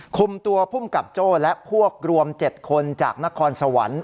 คุมตัวผู้กอบโจ้นพวกรวมเจ็ดคนจากนครสวรรค์